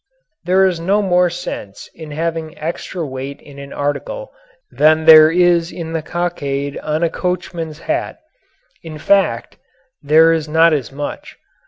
There is no more sense in having extra weight in an article than there is in the cockade on a coachman's hat. In fact, there is not as much.